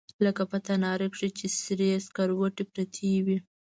لکه په تناره کښې چې سرې سکروټې پرتې وي.